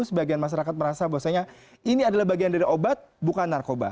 sebagian masyarakat merasa bahwasanya ini adalah bagian dari obat bukan narkoba